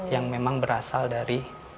yang memang berasal dari